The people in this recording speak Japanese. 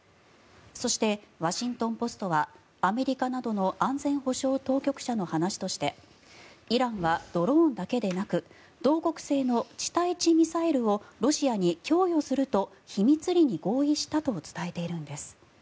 そしてワシントン・ポストはアメリカなどの安全保障当局者の話としてイランはドローンだけでなく同国製の地対地ミサイルをロシアに供与すると秘密裏に合意したと伝えているんです。